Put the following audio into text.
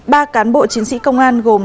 ba cán bộ chiến sĩ công an gồm